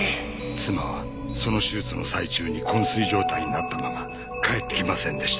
妻はその手術の最中に昏睡状態になったまま帰ってきませんでした。